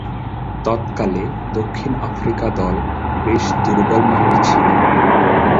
তৎকালে দক্ষিণ আফ্রিকা দল বেশ দূর্বলমানের ছিল।